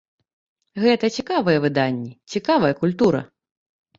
Гэта цікавыя выданні, цікавая культура.